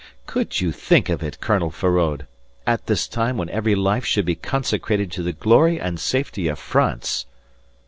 "Could you think of it, Colonel Feraud! At this time when every life should be consecrated to the glory and safety of France!"